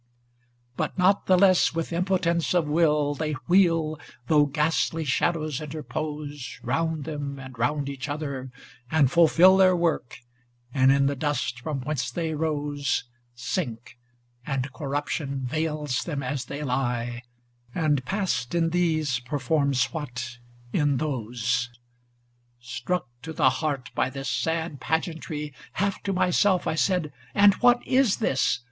But not the less with impotence of will 170 They wheel, though ghastly shadows inter pose Round them and round each other, and fulfil Their work, and in the dust from whence they rose Sink, and corruption veils them as they lie, And past in these performs what in those. Struck to the heart by this sad pageantry. Half to myself I said ŌĆö ' And what is this